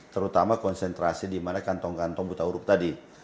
terutama konsentrasi di mana kantong kantong buta huruf tadi